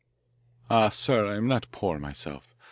"Ah, sir, I am not poor myself.